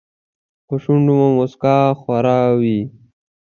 په شونډو مو موسکا خوره وي .